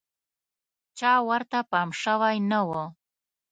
چا ورته پام شوی نه و.